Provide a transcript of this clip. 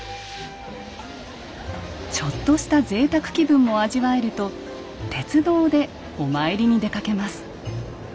ちょっとした贅沢気分も味わえると鉄道でお参りに出かけます。